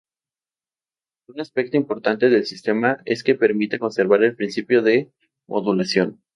Un aspecto importante del sistema es que permite conservar el principio de modulación.